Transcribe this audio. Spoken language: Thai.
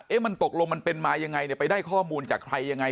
มันตกลงมันเป็นมายังไงเนี่ยไปได้ข้อมูลจากใครยังไง